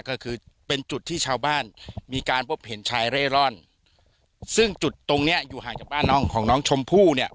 ก็คือเป็นจุดที่ชาวบ้านมีการพบเห็นชายเร่ร่อนซึ่งจุดตรงเนี้ยอยู่ห่างจากบ้านน้องของน้องชมพู่เนี่ย